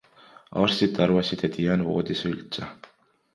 Arstid arvasid, et jään voodisse üldse.